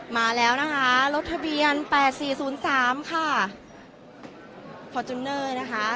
มาแล้วนะคะรถทะเบียนแปดสี่ศูนย์สามค่ะนะคะ